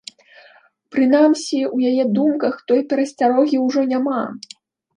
Прынамсі, у яе ў думках такой перасцярогі ўжо няма.